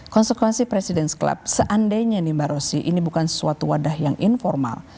konsekuensi president s club seandainya mbak rosy ini bukan sesuatu wadah yang informal